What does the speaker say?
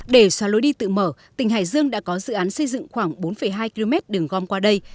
để xóa lối đi tự mở tỉnh hải dương đã có dự án xây dựng khoảng bốn hai km đường gom qua đây